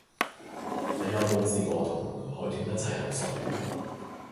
你有冇試過同海豚一齊游水